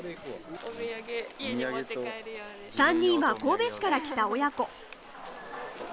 ３人は神戸市から来た親子。